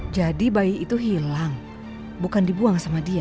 jadi bayi itu hilang bukan dibuang sama dia